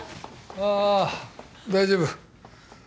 ああ大丈夫